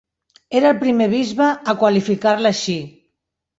Era el primer bisbe a qualificar-la així.